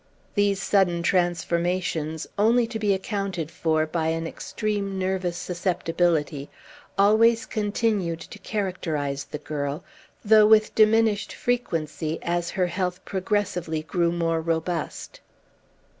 These sudden transformations, only to be accounted for by an extreme nervous susceptibility, always continued to characterize the girl, though with diminished frequency as her health progressively grew more robust.